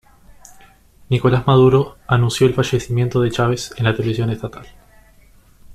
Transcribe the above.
Nicolás Maduro anunció el fallecimiento de Chávez en la televisión estatal.